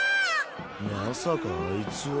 まさかあいつは。